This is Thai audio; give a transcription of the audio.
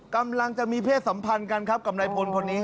กำลังจะมีเพศสัมพันธ์กันครับกับนายพลคนนี้